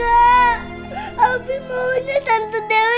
abie maunya tante dewi